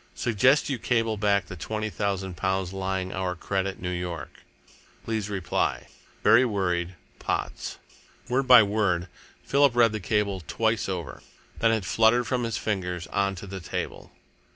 Suggest you cable back the twenty thousand pounds lying our credit New York. Please reply. Very worried. Potts." Word by word, Philip read the cable twice over. Then it fluttered from his fingers on to the table.